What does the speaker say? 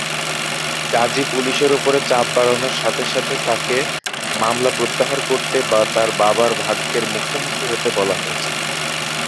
গাজী পুলিশের উপর চাপ বাড়ানোর সাথে সাথে তাকে মামলা প্রত্যাহার করতে বা তার বাবার ভাগ্যের মুখোমুখি হতে বলা হয়েছিল।